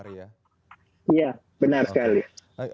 iya benar sekali